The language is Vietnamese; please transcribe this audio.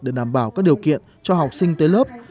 để đảm bảo các điều kiện cho học sinh tới lớp